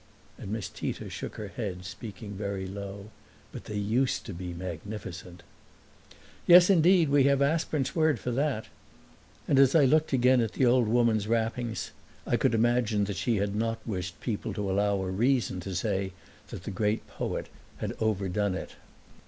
And Miss Tita shook her head, speaking very low. "But they used to be magnificent!" "Yes indeed, we have Aspern's word for that." And as I looked again at the old woman's wrappings I could imagine that she had not wished to allow people a reason to say that the great poet had overdone it.